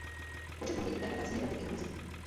Počet možných interpretací je prakticky neomezený.